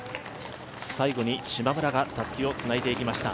最後にしまむらがたすきをつないでいきました。